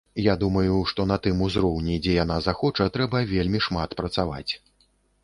Я думаю, што на тым узроўні, дзе яна захоча, трэба вельмі шмат працаваць.